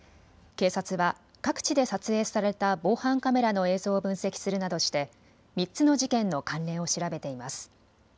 警察は各地で撮影された防犯カメラの映像を分析するなどして３つの事件の関連を調べています。